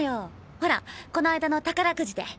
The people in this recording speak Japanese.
ほらこの間の宝くじで。